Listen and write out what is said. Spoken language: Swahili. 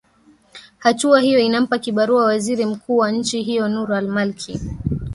hatua hiyo inampa kibarua waziri mkuu wa nchi hiyo nur al malki